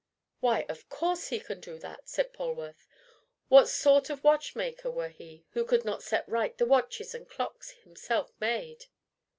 "Why, of course he can do that!" said Polwarth. "What sort of watchmaker were he who could not set right the watches and clocks himself made?"